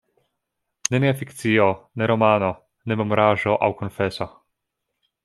Nenia fikcio, ne romano, ne memoraĵo aŭ konfeso.